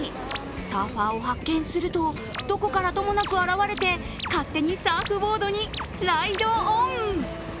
サーファーを発見するとどこからともなく現れて勝手にサーフボードにライドオン。